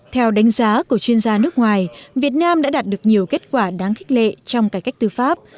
theo đánh giá của chuyên gia nước ngoài việt nam đã đạt được nhiều kết quả đáng khích lệ trong cải cách tư pháp